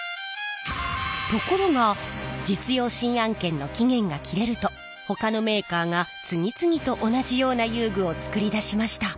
ところが実用新案権の期限が切れるとほかのメーカーが次々と同じような遊具を作り出しました。